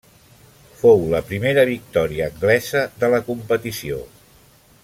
Fou la primera victòria anglesa de la competició.